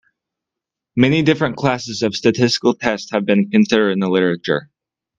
Many different classes of statistical tests have been considered in the literature.